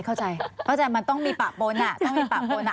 เข้าใจมันต้องมีประบนอ่ะต้องมีประบนอ่ะ